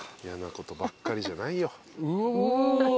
やなことばっかりじゃないよ。